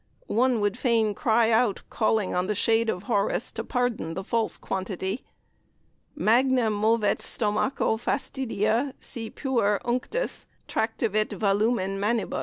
One would fain cry out, calling on the Shade of Horace to pardon the false quantity "Magna movet stomacho fastidia, si puer unctis Tractavit volumen manibus."